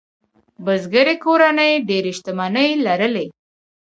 بزګري کورنۍ ډېرې شتمنۍ لرلې.